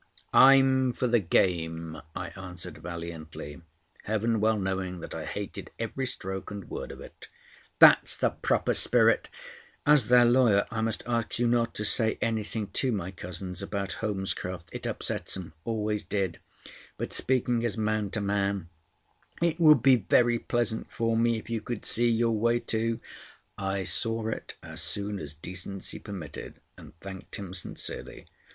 "I'm for the game," I answered valiantly; Heaven well knowing that I hated every stroke and word of it. "That's the proper spirit. As their lawyer I must ask you not to say anything to my cousins about Holmescroft. It upsets 'em. Always did. But speaking as man to man, it would be very pleasant for me if you could see your way to—" I saw it as soon as decency permitted, and thanked him sincerely.